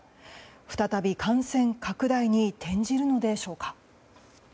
再び感染拡大に転じるのでしょうか。